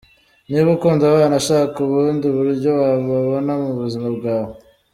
Niba ukunda abana, shaka ubundi buryo wababona mu buzima bwawe.